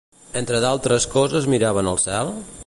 Entre d'altres coses miraven el cel?